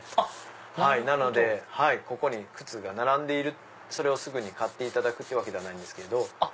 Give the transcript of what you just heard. なのでここに靴が並んでいるそれをすぐに買っていただくわけではないです。